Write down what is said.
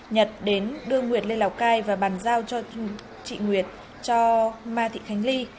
nhật đến đưa nguyệt lên lào cai và bàn giao cho chị nguyệt cho ma thị khánh ly